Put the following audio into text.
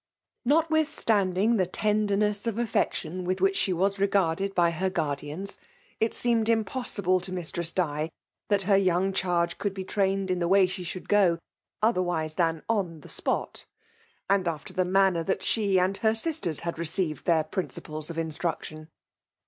Notwithstanding the tendor neas of affection with which she was regardird by her guardians, it seemed impossible to Mistress Di, that her young charge could be FKMALK DOMINATION. 151 tcfdnted in the way she should go, olherwifip than on the spotj and after the manner that she and her sisters had received their piiaci ples of instruction.